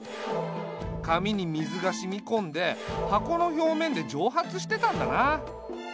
紙に水が染み込んで箱の表面で蒸発してたんだな。